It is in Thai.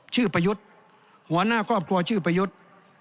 ประยุทธ์หัวหน้าครอบครัวชื่อประยุทธ์